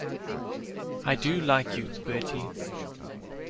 I do like you, Bertie.